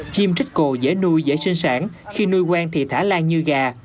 chim trích cổ dễ nuôi dễ sinh sản khi nuôi quang thì thả lan như gà